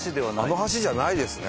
あの橋じゃないですね。